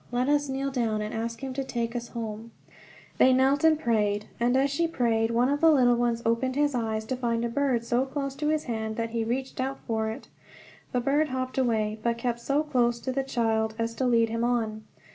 Let us kneel down, and ask him to take us home." They knelt, and as she prayed one of the little ones opened his eyes, to find a bird so close to his hand that he reached out for it. The bird hopped away, but kept so close to the child as to lead him on.